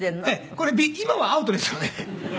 これ今はアウトですよね。